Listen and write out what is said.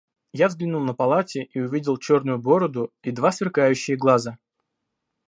Я взглянул на полати и увидел черную бороду и два сверкающие глаза.